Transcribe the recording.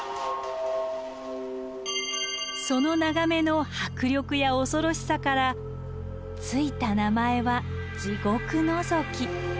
その眺めの迫力や恐ろしさから付いた名前は地獄のぞき。